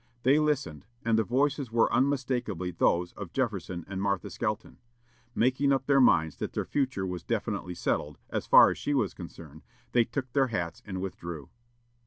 They listened, and the voices were unmistakably those of Jefferson and Martha Skelton. Making up their minds that "their future was definitely settled," as far as she was concerned, they took their hats and withdrew.